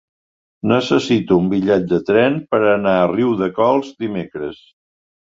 Necessito un bitllet de tren per anar a Riudecols dimecres.